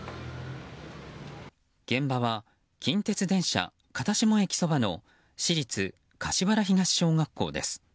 現場は、近鉄電車堅下駅そばの市立柏原東小学校です。